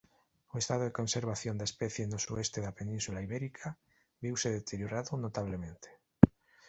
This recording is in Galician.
O estado de conservación da especie no sueste da Península Ibérica viuse deteriorado notablemente.